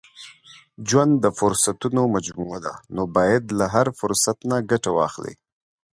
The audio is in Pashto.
• ژوند د فرصتونو مجموعه ده، نو باید له هر فرصت نه ګټه واخلې.